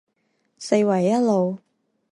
四維一路